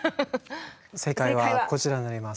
正解はこちらになります。